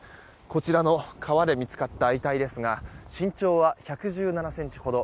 こちらの川で見つかった遺体ですが身長は１１７ｃｍほど。